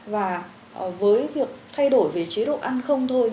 và với việc thay đổi về chế độ ăn không thôi